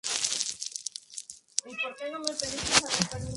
Cada pata tiene cinco dedos con garras.